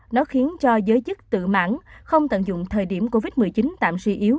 nó khiến cho giới chức tự mãn không tận dụng thời điểm covid một mươi chín tạm suy yếu